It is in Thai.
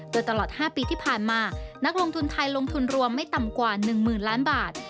โดยตลอด๕ปีที่ผ่านมานักลงทุนไทยลงทุนรวมไม่ต่ำกว่า๑๐๐๐ล้านบาท